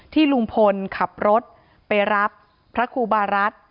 ลุงพลขับรถไปรับพระครูบารัฐ